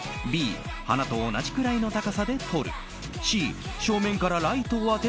Ｂ、花と同じくらいの高さで撮る。